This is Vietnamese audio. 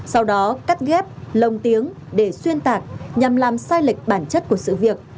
sau đó cắt ghép lồng tiếng để xuyên tạc nhằm làm sai lệch bản chất của sự việc